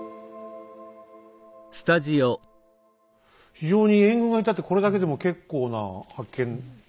非常に援軍がいたってこれだけでも結構な発見だねえ。